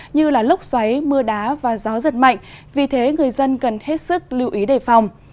như lốc xoáy mưa đá và gió giật mạnh vì thế người dân cần hết sức lưu ý đề phòng